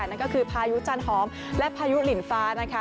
นั่นก็คือพายุจันหอมและพายุหลินฟ้านะคะ